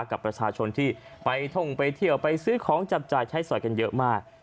กับประชาชนที่ไปท่องไปเที่ยวไปซื้อของจับจ่ายใช้สอยกันเยอะมาก